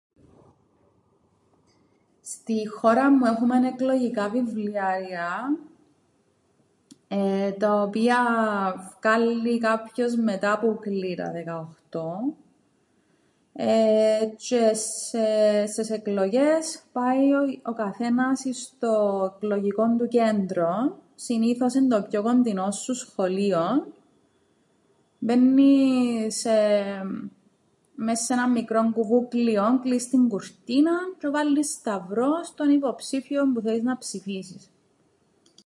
Στην χώραν μου έχουμεν εκλογικά βιβλιάρια, τα οποία φκάλλει κάποιος μετά που κλείει τα δεκαοχτώ εεε τζ̆αι στες εκλογές πάει ο καθένας εις το εκλογικόν του κέντρον, συνήθως εν' το πιο κοντινόν σου σχολείον. Μπαίννεις μες σ' έναν μικρόν κουβούκλιον, κλείεις την κουρτίναν τζ̆αι βάλλεις σταυρόν στον υποψήφιον που θέλεις να ψηφίσεις.